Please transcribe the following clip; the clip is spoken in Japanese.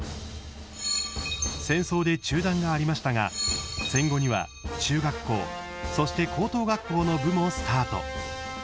戦争で中断がありましたが戦後には中学校そして高等学校の部もスタート。